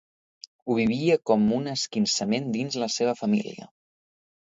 Ho vivia com un esquinçament dins la seva família.